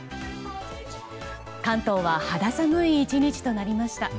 関東は肌寒い１日となりました。